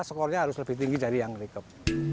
skornya harus lebih tinggi dari yang rekep